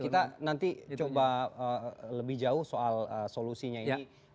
kita nanti coba lebih jauh soal solusinya ini